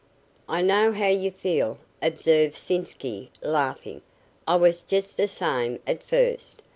"I know how you feel," observed Sitzky, laughing. "I was just d' same at first.